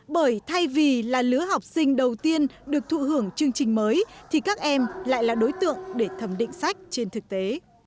bởi thay vì là lứa học sinh đầu tiên được thụ hưởng chương trình mới thì các em lại là đối tượng để thẩm định sách trên thực tế